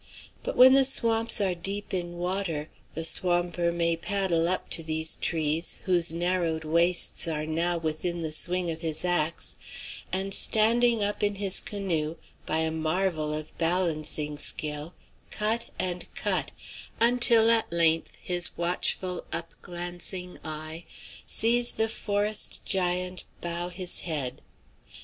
But when the swamps are deep in water, the swamper may paddle up to these trees, whose narrowed waists are now within the swing of his axe, and standing up in his canoe, by a marvel of balancing skill, cut and cut, until at length his watchful, up glancing eye sees the forest giant bow his head.